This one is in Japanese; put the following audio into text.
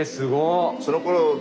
そのころえ！